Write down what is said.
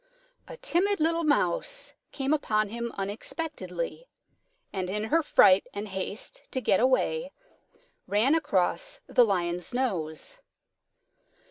A timid little Mouse came upon him unexpectedly, and in her fright and haste to get away, ran across the Lion's nose.